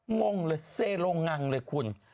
งงเลยเซโรงังเลยคุณ